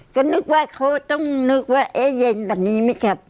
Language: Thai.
ก็นึกว่าเขาต้องนึกว่าเย็นวันนี้ไม่กลับ